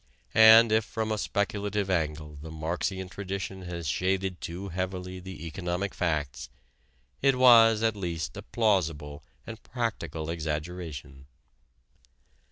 And if from a speculative angle the Marxian tradition has shaded too heavily the economic facts, it was at least a plausible and practical exaggeration.